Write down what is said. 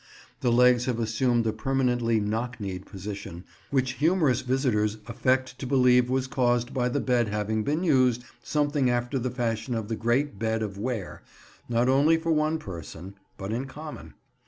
The legs have assumed a permanently knock kneed position, which humorous visitors affect to believe was caused by the bed having been used, something after the fashion of the Great Bed of Ware, not only for one person, but in common.